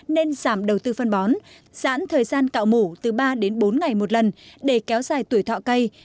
nên giảm đầu tư phân bón giãn thời gian cạo mủ từ ba đến bốn ngày một lần để kéo dài tuổi thọ cây